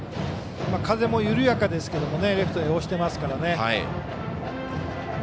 風も緩やかですけれどもレフトへ押してますからね。